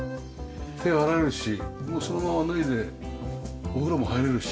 手洗えるしもうそのまま脱いでお風呂も入れるし。